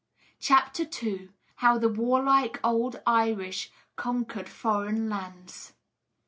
CHAPTER II. HOW THE WARLIKE OLD IRISH CONQUERED FOREIGN LANDS.